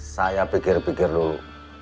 saya pikir pikir dulu